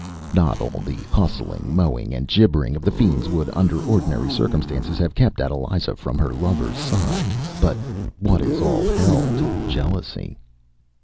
” Not all the hustling, mowing, and gibbering of the fiends would under ordinary circumstances have kept Adeliza from her lover’s side: but what is all hell to jealousy?